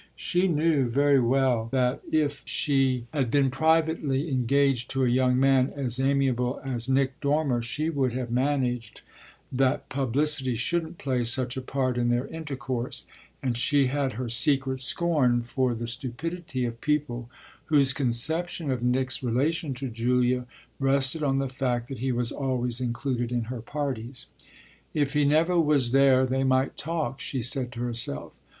She knew very well that if she had been privately engaged to a young man as amiable as Nick Dormer she would have managed that publicity shouldn't play such a part in their intercourse; and she had her secret scorn for the stupidity of people whose conception of Nick's relation to Julia rested on the fact that he was always included in her parties. "If he never was there they might talk," she said to herself.